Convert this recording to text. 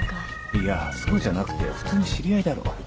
いやそうじゃなくて普通に知り合いだろ。